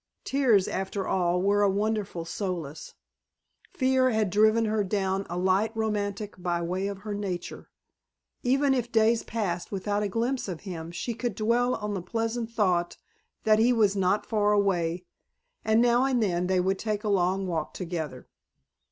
Tears, after all, were a wonderful solace. Fear had driven her down a light romantic by way of her nature. Even if days passed without a glimpse of him she could dwell on the pleasant thought that he was not far away, and now and then they would take a long walk together.